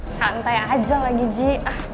santai aja lagi ji